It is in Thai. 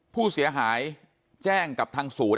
ผู้เสียหายแจ้งกับทางศูนย์